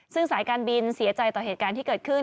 ซึ่งสายการบินเสียใจต่อเหตุการณ์ที่เกิดขึ้น